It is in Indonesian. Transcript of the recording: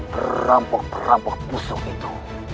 perampok perampok pusok itu